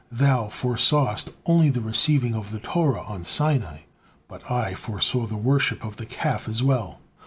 Thou foresawest only the receiving of the Torah on Sinai, but I foresaw the worship of the Calf as well."